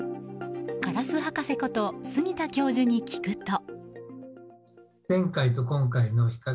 カラス博士こと杉田教授に聞くと。